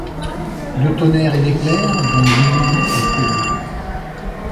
De tonnerre et d'éclairs dont l'ombre est éblouie ;